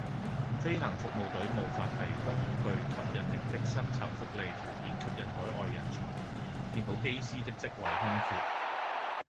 飛行服務隊無法提供具吸引力的薪酬福利條件吸引海外人才，填補機師的職位空缺